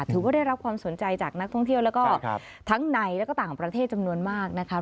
ถือว่าได้รับความสนใจจากนักท่องเที่ยวแล้วก็ทั้งในและก็ต่างประเทศจำนวนมากนะคะ